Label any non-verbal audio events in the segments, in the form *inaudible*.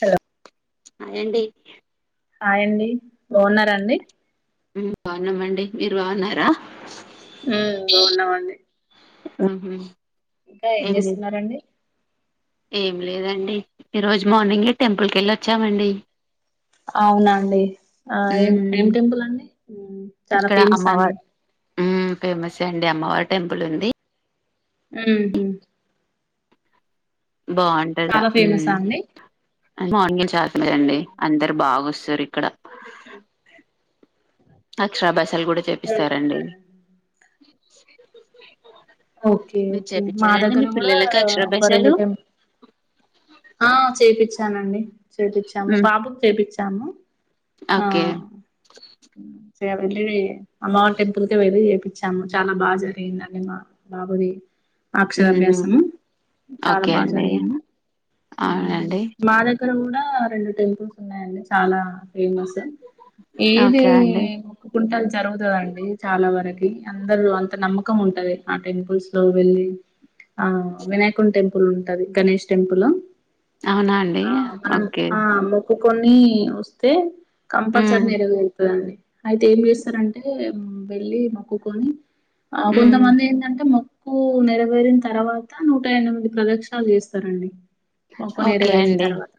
Hello ఏంటిడి అాయడి బాగున్నారాండి బాగున్నామండి మీరు బాగున్నారా బాన్నామండి ఆహా ఇంకా ఏం చేస్తున్నారండి ఏం లేదండి ఈరోజు మార్నింగే టెంపుల్కి వెళ్ళిచ్చామండి అవునండి ఆ ఏం ఉమ్ ఏం టెంపుల్ అండి చాలా ఫేమస్ అండి ఫేమసే అండి అమ్మవారి టెంపుల్ ఉంది ఆ బాగుంటందా చాలా ఫేమసా అండి నన్ దండి అందరు బాగు సరి ఇక్కడ అచ్చ బస్ అసలు కూడా చేపిస్తారండి ఓకే మీరు ఓకే మా చేపించారండి దగ్గర మీ కూడా పిల్లలకి ఒక అక్షరాభ్యాసాలు రెండు టెం ఉమ్, తాము ఓకే చీరబెట్టిరి ఆమ టెంపుల్ కి వెళ్ళి చానా చానా బా జరిగిందది కూడా బబరి ఉమ్, అక్షరాభ్యాసము చాలా ఓకే బాగా అండి జరిగింది అవునండి మా దగ్గర కూడా ఆ రెండు టెంపుల్స్ ఉన్నాయండి చాలా ఫేమస్ ఏది ఓకే అండి కుంటలు జరుగుతుందండి చాలా వరకు అందరూ అంత నమ్మకం ఉంటది ఆ టెంపుల్స్ లో వెళ్ళి ఆ వినాయకుండి టెంపుల్ ఉ ది గణేష్ టెంపుల్ అవునా అండి ఓకే ప కొని వస్తే కంపల్సరీ హ్మ్. నెరువేరుతది అండి అయితే ఏం చేస్తారంటే వెళ్ళి మొక్కుకొని ఆ కొంత హ్మ్. మంది మొక్కు నెరవేరిన తర్వాత నూట ఎనిమిది ప్రదక్షణాలు చేస్తారండి ఒకు ఓకే నెరవేరిన అండి. తర్వాత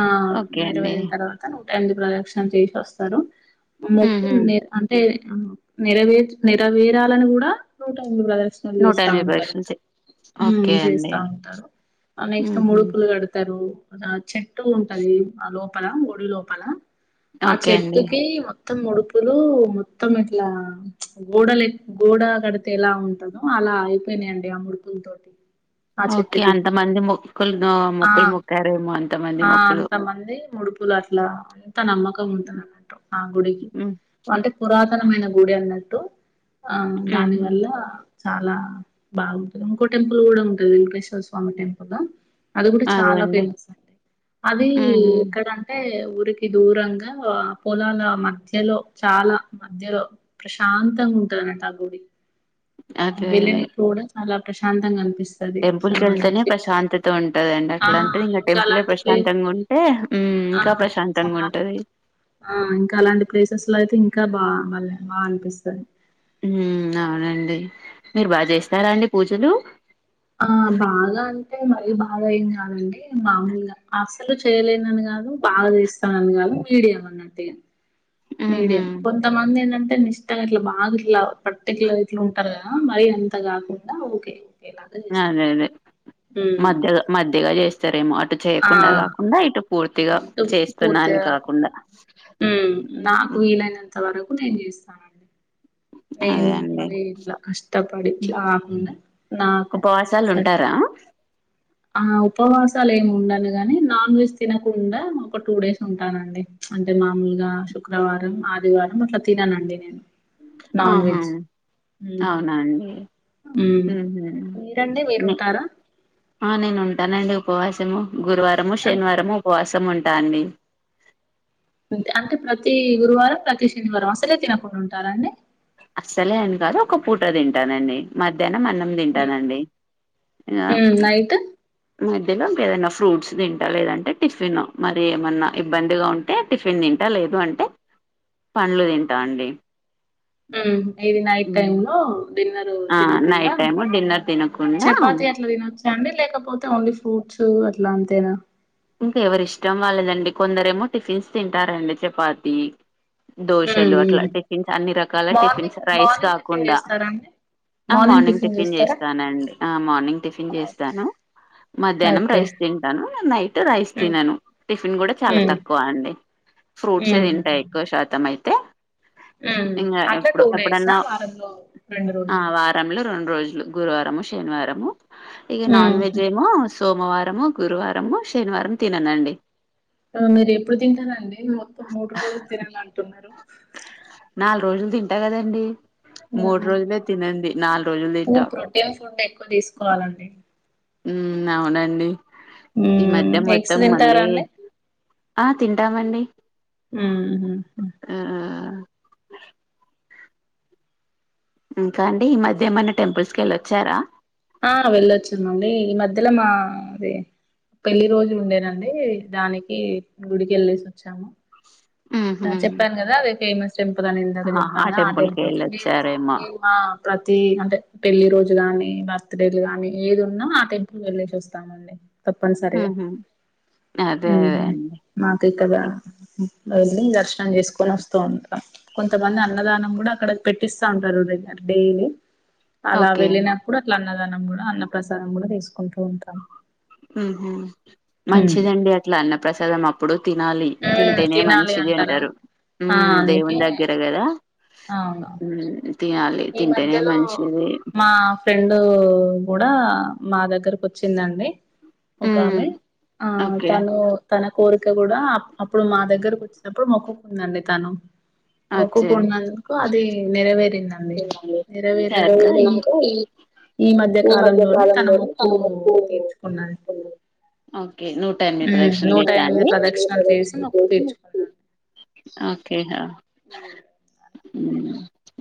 ఆ ఓకే అండి. నెరవేరిన తర్వాత ప్రదక్షణలు చేసి వస్తారు మొక్కు హుహు. నీ అంటే నెరవేరు నెరవేరాలని కూడా నూట చేస్తా ఉంటారు పరీక్షలు చే ఓకే అండి. చేస్తా ఉంటారు నెక్స్ట్ హుహు. ముడుపులు కడతారు ాచ్చ చ ఉంటుయి ఆ లో పల గుడి లోపాల ఆ ఓకే చెట్టు అండి. కి మొత్తం ఉడుపులు మొత్తం ఇట్లా గోడలు గోడ కడితే ఎలా ఉంట అలా అయిపోయినాయంండి ఆ ముడుపుల తోటి ఓకే అంతమంది మొక్కులు ఆ మొక్కలు మొక్కారేమో అంతమంది ఆ మొక్కులు. అంత మంది ముడుపులు అట్లా అంత నమ్మకం ఉంటుంది అన్నట్టు ఆ గుడికి హ్మ్. అంటే పురాతనమైన గుడి అన్నట్టు త ఆ దాని హుహు. వల్ల చాలా బాగుంటది ఇంకో టెంపుల్ కూడా ఉంటది వెంకటేశ్వర స్వామి టెంపుల్ అది కూడా చాలా ఫేమస్ అండి అది హుహు. ఎక్కడ అంటే ఊరికి దూరంగా పొలాల మధ్యలో చాలా మధ్యలో ప్రశాంతంగా ఉంటాది అండి ఆ గుడి అదే వెళ్ళినప్పుడు కూడా అలా ప్రశాంతంగా అనిపిస్తుంది టెంపుల్ క వెళ్తేనే ప్రశాంతత ఉంటదండి ఆ అట్లా అంటే ఇంకా టెంపులే అలాంటి ప్లేస్ ప్రశాంతంగా ఉంటే ఆ ఇంకా ప్రశాంతంగా చాలా ఉంటంది ఆ ఇంకా అలాంటి ప్లేసెస్ లో అయితే *unintelligible* హ్మ్. అవునండి. మీరు బాగా చేస్తారా అండి పూజలు ఆ బాగా అంటే మళీ బాగా ఏం కాదండి మామూలుగా అసలు చేయలేనని కాదు బాగా చేస్తానని కాదు మీడియం అన్నట్టుగా హుహు. మీడియం కొంతమంది ఏంటంటే అ ఇష్టంగా అట్లా బాగాట్లా పర్టికలర్ ఇట్లా ఉంటారు కదా మరీ అంత కాకుండా ఓకే ఓకేలాగా అదే చేస్తానండి అదే ఉమ్ మధ్యగా మధ్యగా చేస్త సరేమ ఇటు ఆ చేయకుండా కాకుండా ఇటు పూర్తిగా అటు చేస్తున్నాను పూర్తిగా కాకుండా ఉమ్ నాకు వీలైనంత వరకు నేను చేస్తానండి అదే నేను అండి మరిట్లా కష్టపడిట్లా అన్న నాకు ఉపవాసాలు సర ఉంటారా ఆ ఉపవాసాలు ఏమి ఉండను గాని నాన్ వెజ్ తినకుండా ఒక టూ డేస్ ఉంటానండి అంటే మామూలుగా శుక్రవారం ఆదివారం అట్లా తిననండి నేను నాన్ ఆహా వెజ్ అవునండి మ్మ్ మీరండి మీరు ఉంటారా ఎంటానండి ఉపవాసము గురువారము శనివారము ఉపవాసం మ్మ్ ఉంటా అండి అంటే ప్రతి గురువారం ప్రతి శనివారం అసలే తినకుండా ఉంటారాండి అస్సలే అంని కాదు ఒక పూట తింటానండి మధ్యాహ్నం అన్నం తింటానండి ఇగ మ్మ్ నైట్ మధ్యలో ఇంక ఏదైనా ఫ్రూట్స్ తింటా లేదంటే టిఫిన్ మరి ఏమన్నా ఇబ్బందిగా ఉంటే టిఫిన్ తింటా లేదు అంటే పండ్లు తింటా అండి ఇది నైట్ హ్మ్. టైమ్ లో డిన్నర్ ఆ తినకుండా నైట్ టైము డిన్నర్ తినకుండా చపాతి అట్లా తినచ్చా అండి లేకపోతే ఓన్లీ ఫ్రూట్స్ అట్లా తినా ఇంకా ఎవరి ఇష్టం వాళ్ళదండి కొందర ఏమో టిఫిన్స్ తింటారండి చపాతి మ్మ్ దోశలు అట్లా మ్మ్ టిఫిన్స్ అన్ని రకాల tiffins morning rice morning tiffin కాకుండా చేస్తారా అండి ఆ మార్నింగ్ టిఫిన్ చేస్తానండి ఆ మార్నింగ్ టిఫిన్ చేస్తాను మధ్యాహ్నం ఓకే రైస్ తింటాను నైట్ రైస్ ఉమ్ తినను టిఫిన్ కూడా చాలా ఉమ్ తక్కువ అండి ఫ్రూట్స్ ఏ ఉమ్ తింటాయి ఎక్కువ శాతం అయి తే అట్లా టూ డేస ఆ వారంలో రెండు ఆ రోజులు వారంలో రెండు రోజులు గురువారము శనివారము ఇక నాన్ ఉమ్. వెజ్ ఏేమో సోమవారము గురువారము శనివారం తిననండి మీరు ఎప్పుడు తింటాంది మొత్తం మూడు రోజులు తినాను అంటున్నారు నాలుగు రోజులు తింటా కదండి ఆ, మూడు రోజులే తినండి నాలుగు రోజులు ఇంకా తింటాం ప్రోటీన్ ఫుడ్ ఎక్కువ తీసుకోవాలండి మ్మ్ అవునండి ఈ ఉమ్ మధ్య ఎగ్స్ మొత్తం తింటారా మళ్ళీ అండి? ఆ తింటామండి. ఊ హు హు ఆ ఇంకా అండి? ఈ మధ్య ఏమన్న టెంపుల్స్ కి వెళ్ళొచ్చారా? ఆ వెళ్ళొచ్చినండి. ఈ మధ్యలో మా ది పెళ్లిి రోజు ఉండేనండి, దానికి గుడికి యేళ్ళేసి వచ్చాము. ఆ ఉహు చెప్పాన్ గదా అదే ఫేమస్. టెంపుల్ అని ఇందాక ఆహా చెప్పనుగా, ఆ కి టెంపుల్ కే. వెళ్ళొచ్చారేమో ఆ ప్రతి అంటే పెళ్లిి రోజు గాని ర్త్ డేడ్లు గానీ ఏది ఉన్నా ఆ టెంపుల్ ఏళ్లేసోస్తామండి. తప్పనిసరిగా, ఉహు అదే అదే ఉమ్ అండి మాకే కదా. దర్శనం జేసుకొని వస్తూ ఉంటామ్, కొంతమంది అన్నదానం గుడా అక్కడే పెట్టిస్తా అంటరు రె డైలీ. అలా ఓకే వెళ్ళినప్పుడు అట్లన్ అన్నదానం గూడ అన్న ప్రసాదం గూడ తీసుకుంటూ ఉంటాం. ఉమ్ హుమ్, ఉమ్. మంచిదండి అట్లా అన్న ప్ర్రసాదం అప్పుడు తినాలి. ఉమ్, తింటేనే నె తినాలి మంచిది అంటారా అంటరు, ఉమ్ దేవుని దగ్గర గదా. అవునవున్ ఈ తింటేనే మధ్యలో మంచిది మా ఫ్రెండ్ డు గుడా మా దగ్గరకు వచ్చిందండి. ఉమ్ ఒకామె, ఆ ఓకే తను తన కోరి ఇట్ల గుడా అప్ అప్పుడు మా దగ్గరకు వచ్చినప్పుడు మొక్కుకుందండి తను. అచ్చే మొక్కుకున్నందుకు అదీ నెరవేరిందన్ సరే, ఈ మధ్య కాలంలోనే తన మొక్కు తీర్చుకున్నది ఓకే నూట ఎనిమిది ఉమ్, ప్రదక్షిలు నూట చేసా ఎనిమిది అండీ? ప్రదక్షిణలు చేసి మొక్కు తీర్చుకున్నాను ఓకే. ఉమ్,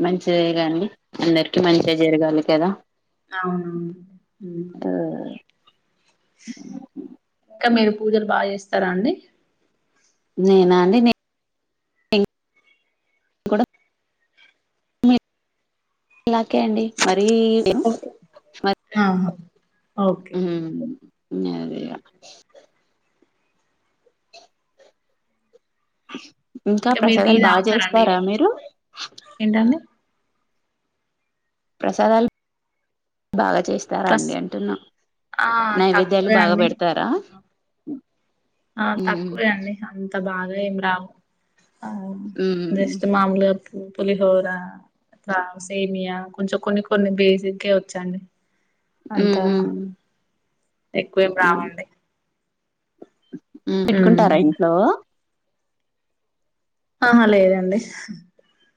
మన్ చేయగండి. అందరికి ఉమ్, మంచే జరగాలి కదా. అవునవును ఉమ్. ఇంక మీరు పూజలు బాగా చేస్తారా అండీ? నేనా అండి నే నేన్ కూడ మీలాగే అండి. ఓకే ఆహా *unintelligible* ఓకే అండి. అదే ఇంకా మీరు టీ ప్రసాదాలు బాగా తాగుతారా అండి జేస్తారా ఈవినింగ్ మీరు? ఏంటండి ప్రసాదాల్ బాగా చేస్తారా ప్రస్ అండి అంటున్నా ఆ నైవేద్యాలు తక్కువే బాగా అండి పెడతారా ఆ ఉమ్ తక్కువే అండి అంతే బాగా ఏం రావు ఆ ఉమ్ రెస్ట్ మామూలెత్ పులిహోర అట్లా సేమియా కొంచెం కొన్ని కొన్ని బేసిక్కె ఏ వచ్చండి అంత ఉమ్ హూ ఎక్కువేం రావండి ఉ ఉమ్ పెట్టుకుంటారా ఇంట్లో ఆహా లేదండి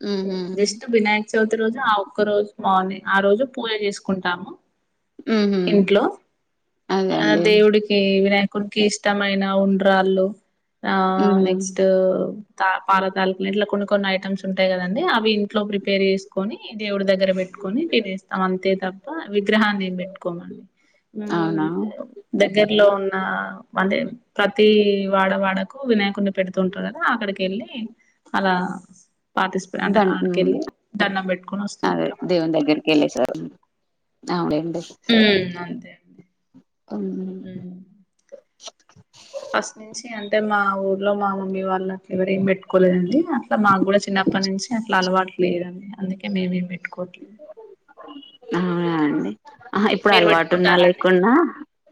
హుహు. జస్ట్ వినయాక్ చవితి రోజు ఆ ఒక్క రోజు మార్నింగ్ ఆ రోజు పూజ చేసుకుంటాము హుహు. ఇంట్లో అదే ఆ అండి. దేవుడికి వినాయాక్ కునికి ఇష్టమైన ఉండ్రాళ్ళు ఆ హ్మ్. నెక్స్ట్ పారతాలలు ఇట్లా కొన్ని కొన్ని ఐటమ్స్ ఉంటాయి కదండి అవి ఇంట్లో ప్రిపేర్ చేసుకొని దేవుడి దగ్గర దగ్గర పెట్టుకొని తినేస్తాం అంతే తప్ప విగ్రహాన్ని ఎమ్ పెట్టుకోమండి అవునా? దగ్గరలో ఉన్న ఆ వందే ప్రతి వాడ వాడ కు వినాయకుడిని పెడుతతు ఉంటారు కదా అక్కడికి నీ అలా పాతిసుక్ దన్ హ్మ్. ఆడికెళ్ళి దండం పెట్టుకొని వస్తూ అదే ఉంటాం అంతె అవన్ ఆడ్ ఉమ్మ్ అంతే ఉమ్ మ్మ్ ఫస్ట్ నుంచి అంటే మా ఊర్లో మా మమ్మీ వాళ్ళు అ ఎవరు ఏం పెట్టుకోలేదండి అట్లా మాకు కూడా చిన్నప్పటి నుంచి అట్లా అలవాటు లేదండి అందుకే మేమేం పెట్టుకోమ్ అవునా అండి ఆ ఇప్పుడు మీరు అలవాటు ఉన్నా పెట్టుకుంటారా అండి లేకున్నా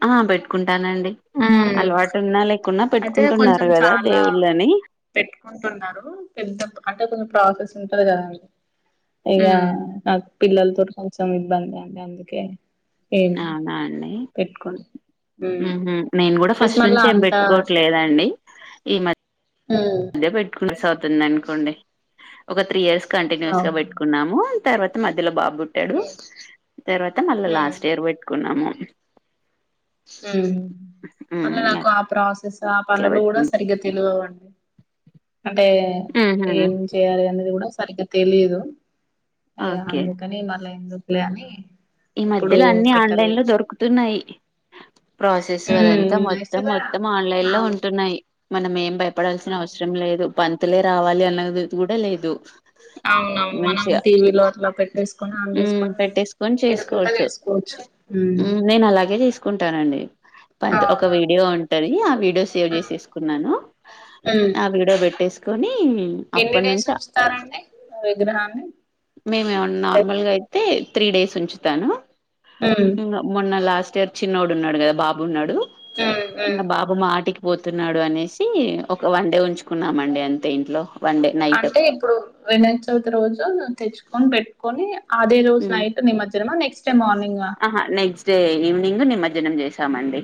ఆ పెట్టుకుంట్ టానండి మ్మ్ అలవాటు ఉన్నా లేకున్నా అయితే కొంచెం పెట్టుకుంటున్నారు గదా చాలా దేవుళ్ళని. పెట్టుకుంటున్నారు పెద్ ఇంత పాంట కొంచెం ప్రాసెస్ ఉంటంది కదాండి ఇకా హ్మ్. *unintelligible* పిల్లలతో కొంచెం ఇబ్బంది అండి అందుకే ఏం అవునా అండి పెట్టుకోను నేను కూడా ప్లస్ ఫస్ట్ మళ్ళా నుంచి ఏం అంత పెట్ కోట్లేదండి ఈ హూ మిస్ అవుతోంది అనుకొండి ఒక త్రీ ఇయర్ కంటిన్యూస్ గా ఓకే పెట్టుకున్నాము తర్వాత మధ్యలో బాబు పుట్టాడు తర్వాత మళ్ళా లాస్ట్ మ్మ్ ఇయర్ పెట్టుకున్నాము ఉమ్ మళ్ళీ నాకు ఆ ప్రాసెస్ ఆ అట్లా పనులు కూడా పెట్టుకు సరిగ్గా తెలివవండి అడి *unintelligible* అంటే ఉహు ఏం చేయాలి అనేది కూడా సరిగ్గా తెలియదు అయ్య ఓకే అందుకాని మల్ల ఎందు ప లేని ఈ మధ్యలో అన్ని ఆ ప్రాసెస్ అదంతా మొత్తం యాక్చువల్గా మొత్తం ఆన్లైన్ లో అవును ఉంటున్నాయి మన మేం పడాల్సిన అవును అవసరం లేదు పాంతులే రావాలి అన్నది కూడా లేదు అవునవును మనం మంచి టీవీలో అట్లా పెట్టేసుకొని ఆన్ ఉమ్ చేసుకోనీ- - పెట్టేసుకొని చేసుకోవచ్చు నేను అలాగే తీసుకుంటానండి ఒక వీడియో అవునండి ఉంటుంది ఆ వీడియో సేవ్ ఉమ్, చేసిసుకున్నాను ఉమ్. ఆ వీడియో పెట్టే తీసుకొని ఎన్ని డేస్ ఉంచుతారండి విగ్రహాన్ని మేమేమ అంటే నార్మల్గా అయితే త్రీ డేస్ ఉంచుతాను ఉమ్, మొన్న లాస్ట్ చిన్నోడు ఉన్నాడు కదా బాబు ఉన్నాడు ఉమ్, ఉమ్. నా బాబా మా ఆటికి పోతున్నాడు అనేసి ఒక వన్ డే ఉంచుకున్నామ అండి అంతే ఇంట్లో వన్ డే నైట్ అంటే ఇప్పుడు వినయ చవితి రోజు తెచ్చు కోని పెట్టుకొని అదే రోజ ఉమ్ నైట్ నిమర్జనం ఆహ్ నెక్స్ నెక్స్ట్ డే మార్నింగ్ ఆహా నైక్స్ట్ నెక్స్ట్ డే ఈవినింగ్ నిమర్జనం చేసామండి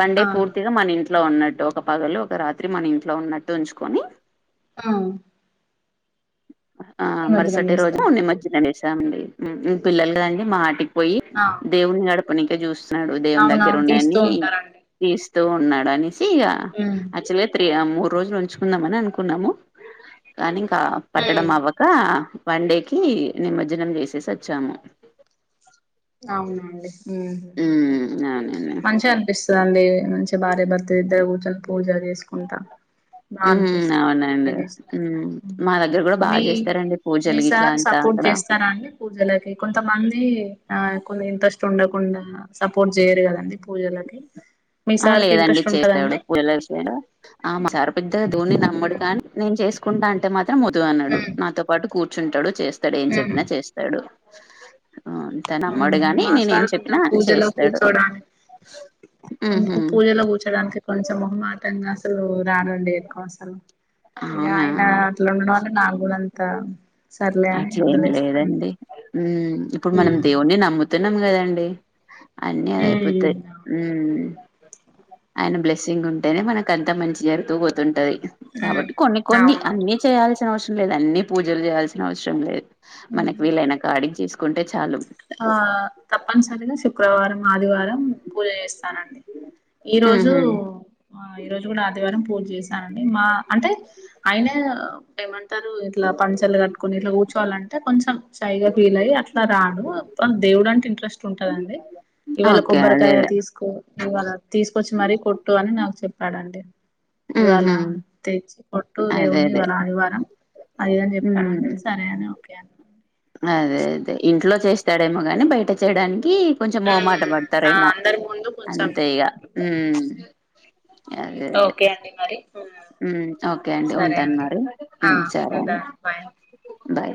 వండే ఆహా పూర్తిగా మని ఇన్ ఇంట్లో ఉన్నట్టు ఒక పగలు ఒక రాత్రి మన ఇంట్లో ఉన్నట్టు ఉంచుకొని ఆ ఆ మరుసటి రోజు చేస్తారు నిమర్జనం చె అండి *inaudible* పిల్లలుగాండి మాటికి పోయి అవును దేవుని గడపని *inaudible* స్తున్నాడు దేవుని దగ్గర అవునవును తీస్తూ ఉన్నాని ఉంటారండి తీ తు ఉన్నాడనిస్ ఇగ ఉమ్ యాక్టుల్ల్య్ త్రి మూడు రోజులు ఉంచుకుందామని అనుకున్నాము కానీ ఇంకా పట్టడం ఉమ్ అవ్వక వన్ డేకి నిమర్జనం చేసేసి వచ్చాము అవునండి హ్మ్ ఉమ్ అవునండి మంచిగా అనిపిస్తుంది అవునండి మంచిగా భార్యభర్త ఇద్దరు కూర్చొని పూజ చేసుకుంటా బా హ్మ్. అనిపిస్తది అవునండి. పూజ చేసినంక హ్మ్. మా దగ్గర గూడా బా మీ జేస్తారండి పూజలు గిట్లా మీసార్ అంతా సపోర్ట్ అక్కడ. చేస్తారా అండి పూజలకి కొంతమంది ఆ కొన్ని ఇంట్రెస్ట్ ఉండకుండా సపోర్ట్ చేయరు కదండి పూజలకి మీ ఆ సార్కి లేదండి ఇంట్రెస్ట్ ఉంటదా చేస్తాడు అండి పూజలు ఆ మా ఉమ్ సార్ పెద్ద దు అమ్మడు కానీ నేను చేసు కుాంటంటే మాద్ మాత్రం వద్దు అన్నాడు ఉమ్ నాతో పాటు కూర్ చుంటడు చేస్ స్తాడు ఏం ఉమ్ చెప్పినా చేస్తాడు అఓ *inaudible* ఆ అంత నమ్మడు గాని మా నేనే ఏం సార్ కొంచెం చెప్పినా పూజలో చేస్తాడు హుహు. ఆమ్కు పూజలో కూర్చోడానికి కొంచం మొహమాటం. అసలు రారండి ఎక్కువ అసలు. ఇగ అవునా! ఆయన అట్ల ఉండడం వల్ల నాకు కూడా అంత సర్లే అని అట్లేం వదిలేస్తానండి. లేదండి. హ్మ్ ఇప్పుడు మనం ఉమ్ దేవున్ని నమ్ముతు న్నం గదండి అన్నీ అదే అయిపోతయి ఉమ్ మ్మ్ ఆయన బ్లెస్సింగ్ ఉంటేనే మనకు అంతా మంచి జరుగుతూ పోతుంటది. ఉమ్ కాబట్టి కొన్ని కొన్ని అన్నీ అవును చేయాల్సిన అవస లేదు అన్నీ పూజలు చేయాల్సిన అవసరం లేద్ మనకి వీలైన కాడికి చేసు కుంటే ఆ తప్పనిసరిగా శుక్రవారం ఆదివారం పూజ చేస్తానండి ఈ రోజు ఉహు ఆ ఈ రోజు కూడా ఆదివారం పూజ చేశానండి మా అంటే ఆయిన ఏమంటారు ఇట్లా పంచలు కట్టుకుని ఇట్లా కూర్చోవాలంటే కొంచెం షై గా ఫీల్ అయి అట్లా రాడు. దేవుడు అంటే ఇంట్రెస్ట్ ఉంటదండి. ఇవాళ ఓకే అదే కొబ్బరికాయ అదే తీసుకో ఇవాళ తీసు కొచ్చి మరీ కొట్టు అని నాకు చెప్పాడండి. ఇవాళ ఉహు తెచ్చి కొట్టు అదే దేవుణ్ణి అదే ఇవాళ ఆదివారం అదీదని ఉమ్ చెప్పాడండి సరే అని కే అన్నానండి అదే అదే ఇంట్లో చేస్తాడేమో గాని బయట చేయడానికి కొంచెం మోమాట ఆ పడతారేమో అందరి ముందు కొంచెం అంతే ఇగా మ్మ్ అదే అదే ఓకే అండి మరి ఓకే అండి సరే ఉంటాను అండి మరి ఆ సరే అండి. ఉంటాను బాయ్ బాయ్